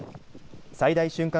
最大瞬間